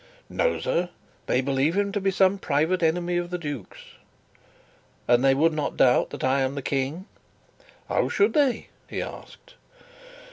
"No, sir. They believe him to be some private enemy of the duke's." "And they would not doubt that I am the King?" "How should they?" he asked.